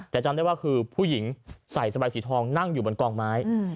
แต่จำได้ว่าคือผู้หญิงใส่สบายสีทองนั่งอยู่บนกองไม้